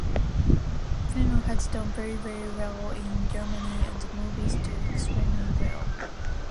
Python has done very, very well in Germany, and the movies do extremely well.